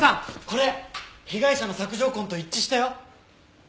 これ被害者の索条痕と一致したよ。